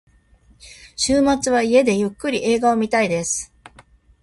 週末は家でゆっくり映画を見たいです。